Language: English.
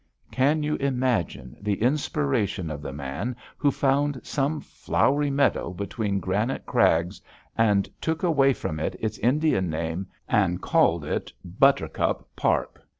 Can you imagine the inspiration of the man who found some flowery meadow between granite crags and took away from it its Indian name and called it Buttercup Park?